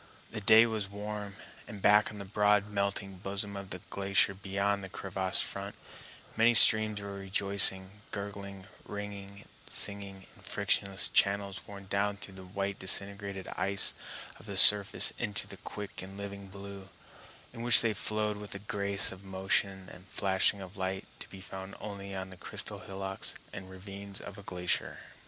The day was warm, and back on the broad melting bosom of the glacier beyond the crevassed front, many streams were rejoicing, gurgling, ringing, singing, in frictionless channels worn down through the white disintegrated ice of the surface into the quick and living blue, in which they flowed with a grace of motion and flashing of light to be found only on the crystal hillocks and ravines of a glacier.